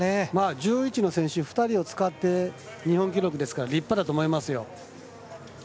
１１の選手、２人を使って日本記録ですから立派だと思います。